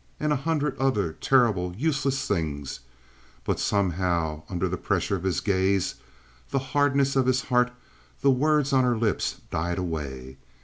and a hundred other terrible, useless things, but somehow, under the pressure of his gaze, the hardness of his heart, the words on her lips died away.